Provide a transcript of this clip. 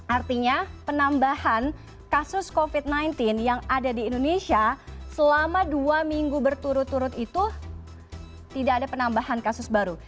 artinya penambahan kasus covid sembilan belas yang ada di indonesia selama dua minggu berturut turut itu tidak ada penambahan kasus baru